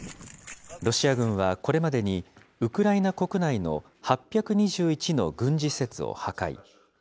ロシア軍はこれまでにウクライナ国内の８２１の軍事施設を破壊。